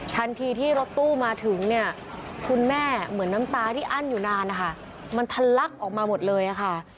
ทันทีที่รถตู้มาถึงเนี่ยคุณแม่เหมือนน้ำตาที่อั้นอยู่นานนะคะมันทะลักออกมาหมดเลยค่ะ